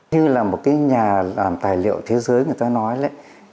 như là một cái nhà làm tài liệu thế giới người ta nói đấy